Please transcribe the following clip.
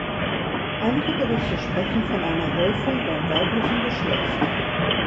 Einige Berichte sprechen von einer Häufung beim weiblichen Geschlecht.